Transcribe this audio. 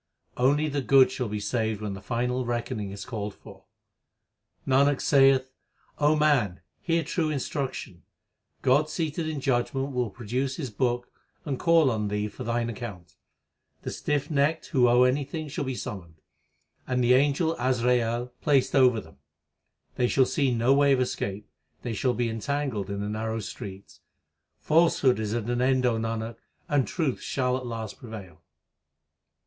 Only the good shall be saved when the final reckoning is called for : Nanak saith, O man, hear true instruction God seated in judgement will produce His book and call on thee for thine account. The stiff necked who owe anything shall be summoned ; And the angel Azrail placed over them. They shall see no way of escape ; they shall be entangled in the narrow streets. Falsehood is at an end, O Nanak, and truth shall at last prevail.